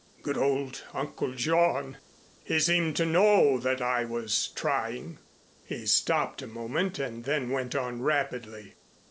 Good old Uncle John! He seemed to know that I was trying." He stopped a moment and then went on rapidly.